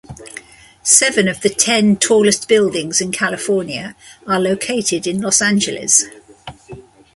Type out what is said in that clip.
Seven of the ten tallest buildings in California are located in Los Angeles.